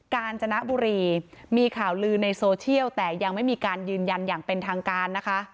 กาญจนบุรีมีข่าวลือในโซเชียลแต่ยังไม่มีการยืนยันอย่างเป็นทางการนะคะ